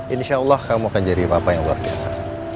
insyaallah kamu akan jadi papa yang luar biasa